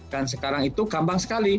dan sekarang itu gampang sekali